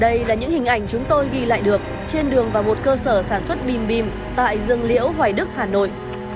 đây là những hình ảnh chúng tôi ghi lại được trên đường và một cơ sở sản xuất bìm bim tại dương liễu hoài đức hà nội